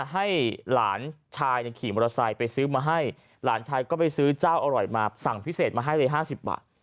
ให้หลานชายขี่มอเตอร์ไซค์ไปซื้อมาให้หลานชายก็ไปซื้อเจ้าอร่อยมาสั่งพิเศษมาให้เลย๕๐บาท